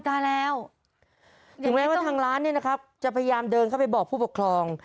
ถึงแม้ว่าทางร้านเนี่ยนะครับจะพยายามเดินเข้าไปบอกผู้ปกครอง